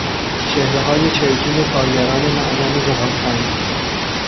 چهرههای چرکین کارگران معدن زغالسنگ